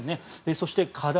そして課題